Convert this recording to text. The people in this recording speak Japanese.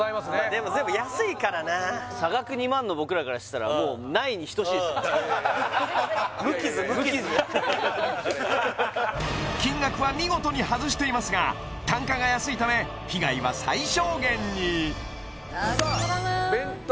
でも全部安いからな差額２万の僕らからしたらゼロゼロ無傷金額は見事に外していますが単価が安いため被害は最小限にさあ弁当